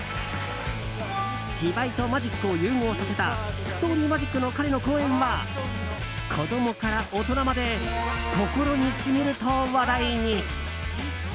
芝居とマジックを融合させたストーリーマジックの彼の公演は子供から大人まで心に染みると話題に。